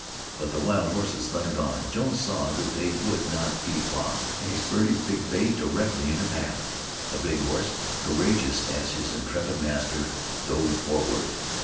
But the wild horses thundered on. Jones saw that they would not now be balked, and he spurred his bay directly in their path. The big horse, courageous as his intrepid master, dove forward.